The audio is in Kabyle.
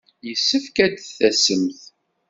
Yessefk ad d-tasemt.